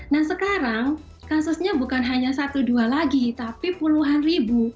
nah sekarang kasusnya bukan hanya satu dua lagi tapi puluhan ribu